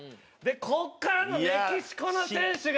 ここからのメキシコの選手が。